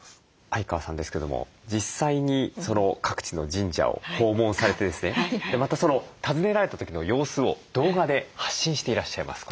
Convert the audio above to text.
相川さんですけども実際に各地の神社を訪問されてですねまた訪ねられた時の様子を動画で発信していらっしゃいます。